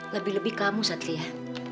lebih lebih kamu satria